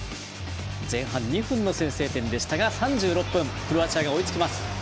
前半２分の先制点でしたが３６分クロアチアが追いつきます。